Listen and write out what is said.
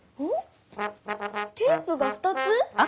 テープがふたつ？